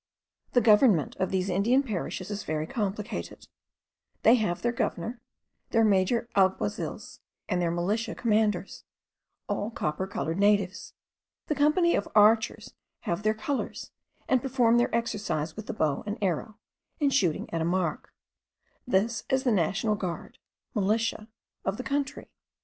The government of these Indian parishes is very complicated; they have their governor, their major alguazils, and their militia commanders, all copper coloured natives. The company of archers have their colours, and perform their exercise with the bow and arrow, in shooting at a mark; this is the national guard (militia) of the country.